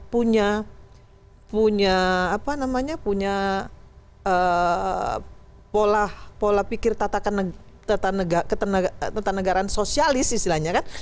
punya pola pikir tetanegaraan sosialis istilahnya kan